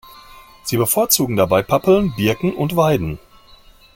Sie bevorzugen dabei Pappeln, Birken und Weiden.